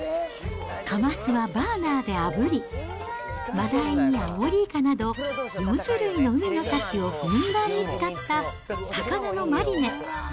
カマスはバーナーであぶり、マダイにアオリイカなど、４種類の海の幸をふんだんに使った魚のマリネ。